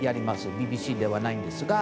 ＢＢＣではないんですが。